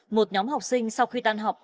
một nhóm học sinh sau khi tan học